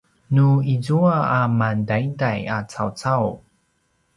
nu izua a mantaiday a cawcau